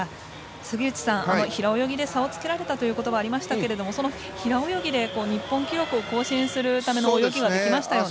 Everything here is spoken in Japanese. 杉内さん、平泳ぎで差をつけられたという言葉がありましたけどその平泳ぎで日本記録を更新する泳ぎはできましたよね。